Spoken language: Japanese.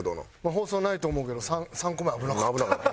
放送ないと思うけど３個目危なかった。